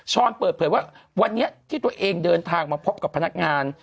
เปิดเผยว่าวันนี้ที่ตัวเองเดินทางมาพบกับพนักงาน